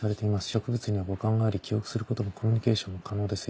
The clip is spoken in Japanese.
植物には五感があり記憶することもコミュニケーションも可能です